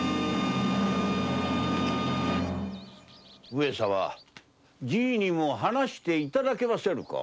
上様じぃにも話して頂けませぬか？